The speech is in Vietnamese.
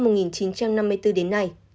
từ năm một nghìn chín trăm năm mươi bốn đến nay